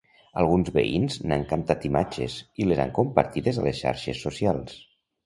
Alguns veïns n’han captat imatges i les han compartides a les xarxes socials.